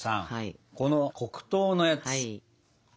この黒糖のやつ。